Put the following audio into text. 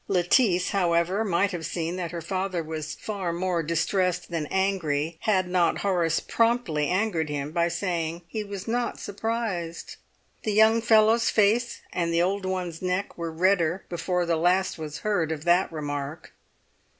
Lettice, however, might have seen that her father was far more distressed than angry had not Horace promptly angered him by saying he was not surprised. The young fellow's face and the old one's neck were redder before the last was heard of that remark.